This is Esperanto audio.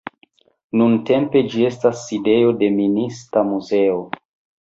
Nuntempe ĝi estas sidejo de Minista muzeo.